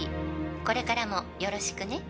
「これからもよろしくね」